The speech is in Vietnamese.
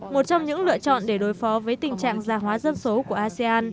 một trong những lựa chọn để đối phó với tình trạng giả hóa dân số của á lê là